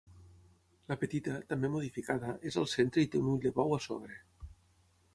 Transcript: La petita, també modificada, és al centre i té un ull de bou a sobre.